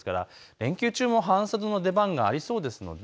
連休中も半袖の出番がありそうです。